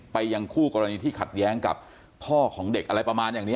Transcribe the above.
ยังคู่กรณีที่ขัดแย้งกับพ่อของเด็กอะไรประมาณอย่างนี้